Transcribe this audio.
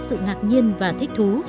sự ngạc nhiên và thích thú